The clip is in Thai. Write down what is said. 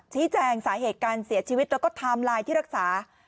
ชี้แจงสาเหตุการเสียชีวิตแล้วก็ไทม์ไลน์ที่รักษา